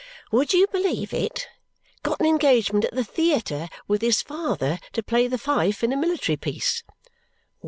"Would you believe it? Got an engagement at the theayter, with his father, to play the fife in a military piece."